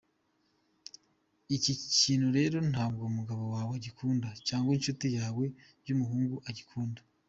Iki kintu rero ntabwo umugabo wawe agikunda cyangwa inshuti yawe y’umuhungu igikunda.